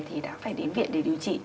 thì đã phải đến viện để điều trị